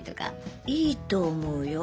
いいと思うよ。